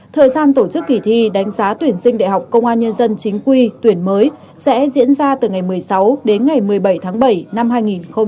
thời gian tổ chức kỳ thi đánh giá tuyển sinh đại học công an nhân dân chính quy tuyển mới sẽ diễn ra từ ngày một mươi sáu đến ngày một mươi bảy tháng bảy năm hai nghìn hai mươi